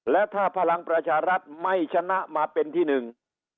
แล้วถ้าพลังประชารัฐไม่ชนะมาเป็นที่หนึ่ง